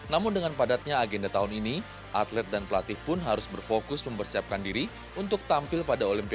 namun dengan padatnya agenda tahun ini atlet dan pelatih pun harus berfokus mempersiapkan diri untuk tampil pada olimpiade